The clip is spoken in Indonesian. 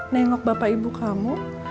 nengok bapak ibu kamu